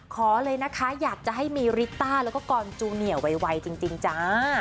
ขอเลยนะคะอยากจะให้มีริต้าแล้วก็กรจูเนียไวจริงจ้า